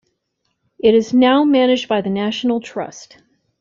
It is now managed by the National Trust.